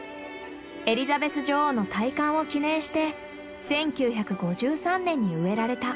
エリザベス女王の戴冠を記念して１９５３年に植えられた。